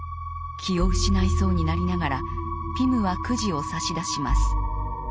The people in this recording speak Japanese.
気を失いそうになりながらピムはくじを差し出します。